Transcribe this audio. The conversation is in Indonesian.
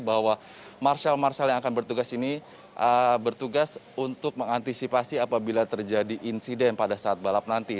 bahwa marshal marsial yang akan bertugas ini bertugas untuk mengantisipasi apabila terjadi insiden pada saat balap nanti